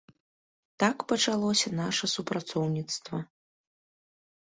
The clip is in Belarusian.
Так пачалося наша супрацоўніцтва.